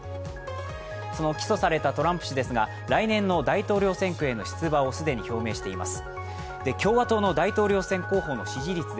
その起訴されたトランプ氏ですが来年の大統領選挙への出馬を既に表明しています。